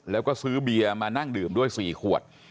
แล้วก็ซื้อเบียร์มานั่งดื่มด้วย๔ขวด